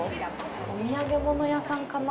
お土産物屋さんかな？